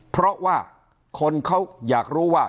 เพราะว่าคนเขาอยากรู้ว่า